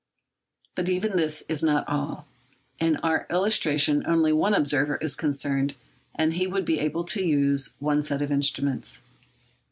But even this is not all. In our illustration only one observer is concerned, and he would be able to use one set of instruments.